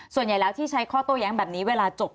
ส่วนใหญ่แล้วที่ใช้ข้อโต้แย้งแบบนี้เวลาจบ